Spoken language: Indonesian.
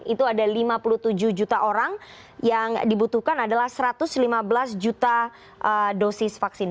itu ada lima puluh tujuh juta orang yang dibutuhkan adalah satu ratus lima belas juta dosis vaksin